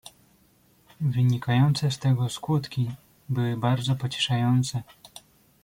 "Wynikające z tego skutki były bardzo pocieszające."